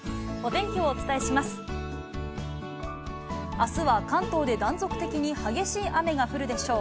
あすは関東で断続的に激しい雨が降るでしょう。